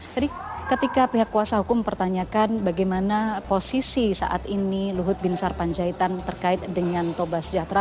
jadi ketika pihak kuasa hukum mempertanyakan bagaimana posisi saat ini luhut bin sarpanjaitan terkait dengan toba sejahtera